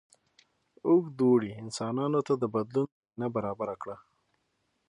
اوږد اوړي انسانانو ته د بدلون زمینه برابره کړه.